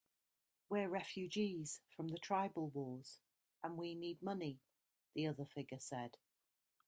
"We're refugees from the tribal wars, and we need money," the other figure said.